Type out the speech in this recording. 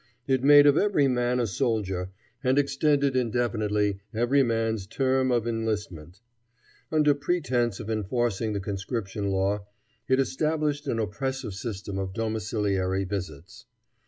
It made of every man a soldier, and extended indefinitely every man's term of enlistment. Under pretense of enforcing the conscription law it established an oppressive system of domiciliary visits.